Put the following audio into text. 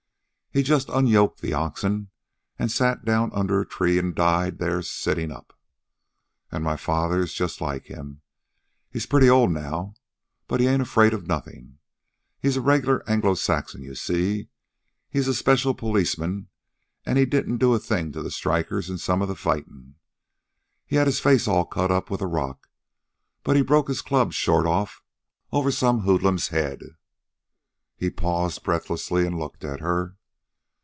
He just unyoked the oxen, an' sat down under a tree, an' died there sitting up. An' my father's just like him. He's pretty old now, but he ain't afraid of nothing. He's a regular Anglo Saxon, you see. He's a special policeman, an' he didn't do a thing to the strikers in some of the fightin'. He had his face all cut up with a rock, but he broke his club short off over some hoodlum's head." He paused breathlessly and looked at her.